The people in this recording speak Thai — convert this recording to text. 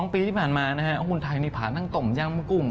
๔๒ปีที่ผ่านมานะฮะหุ้นไทยมีผ่านทั้งตมย่างเมื่อกุ่ม